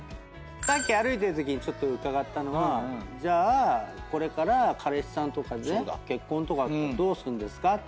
さっき歩いてるときにちょっと伺ったのはこれから彼氏さんとか結婚とかどうすんですか？